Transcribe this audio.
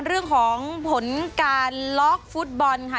เรื่องของผลการล็อกฟุตบอลค่ะ